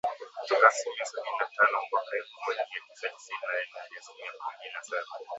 kutoka asilimia sabini na tano mwaka elfu moja mia tisa tisini na nne hadi asilimia kumi na saba